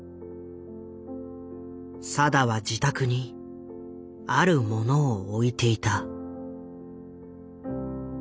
定は自宅にあるものを置いていた。